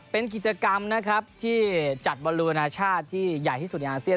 เป็นกิจกรรมนะครับที่จัดบอลลูนาชาติที่ใหญ่ที่สุดในอาเซียน